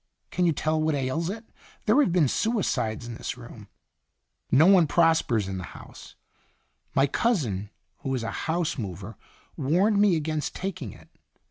Can you tell what ails it? There have been suicides in this room. No one prospers in the house. My cousin, who is a house mover, warned me against taking it.